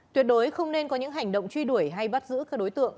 tuyệt đối không nên có những hành động truy đuổi hay bắt giữ các đối tượng